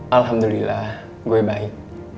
alhamdulillah gue baik